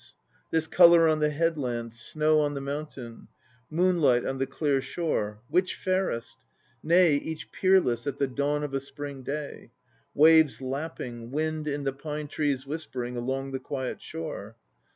184 THE NO PLAYS OF JAPAN This colour on the headland, Snow on the mountain, 1 Moonlight on the clear shore, Which fairest? Nay, each peerless At the dawn of a Spring day. Waves lapping, wind in the pine trees whispering Along the quiet shore.